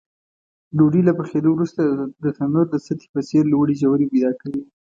ډوډۍ له پخېدلو وروسته د تنور د سطحې په څېر لوړې ژورې پیدا کوي.